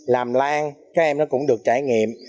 làm lan các em nó cũng được trải nghiệm